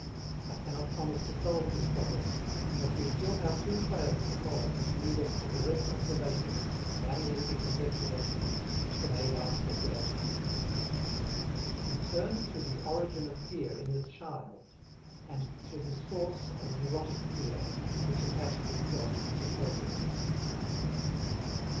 I cannot promise to solve this problem, but we still have two trails to follow which lead us to direct observations and analytic investigation which can aid our speculations. We turn to the origin of fear in the child, and to the source of neurotic fear which attaches itself to phobias.